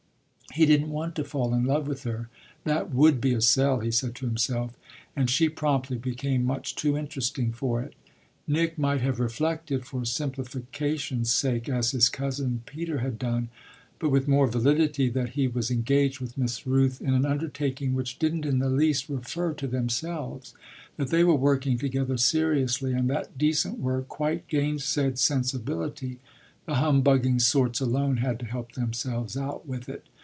He didn't want to fall in love with her that would be a sell, he said to himself and she promptly became much too interesting for it. Nick might have reflected, for simplification's sake, as his cousin Peter had done, but with more validity, that he was engaged with Miss Rooth in an undertaking which didn't in the least refer to themselves, that they were working together seriously and that decent work quite gainsaid sensibility the humbugging sorts alone had to help themselves out with it.